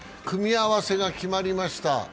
組み合わせが決まりました。